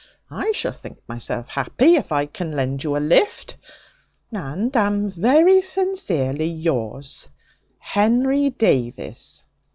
I shall think myself happy if I can lend you a lift; and am, very sincerely, Yours, HENRY DAVIS.